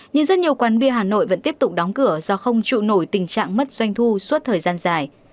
nhưng rất nhiều quán bia hà nội vẫn tiếp tục đóng cửa do không trụ nổi tình trạng mất doanh thu suốt thời gian dài